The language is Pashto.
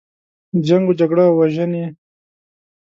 جنګ و جګړه او وژنې.